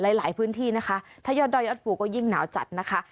หลายหลายพื้นที่นะคะถ้ายอดดอยยอดภูก็ยิ่งหนาวจัดนะคะ